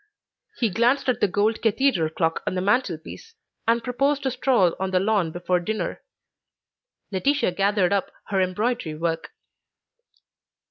He glanced at the gold cathedral clock on the mantel piece, and proposed a stroll on the lawn before dinner. Laetitia gathered up her embroidery work.